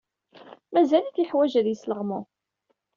Mazal-it yeḥwaj ad yesleɣmu.